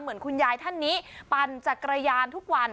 เหมือนคุณยายท่านนี้ปั่นจักรยานทุกวัน